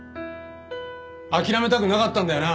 諦めたくなかったんだよな？